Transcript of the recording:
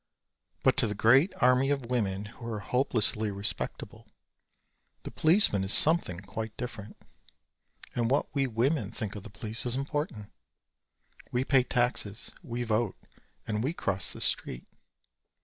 But to the great army of women who are hopelessly respectable, the policeman is something quite different. And what we women think of the police is important. We pay taxes, we vote and we cross the street.